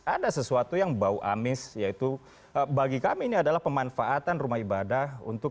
ada sesuatu yang bau amis yaitu bagi kami ini adalah pemanfaatan rumah ibadah untuk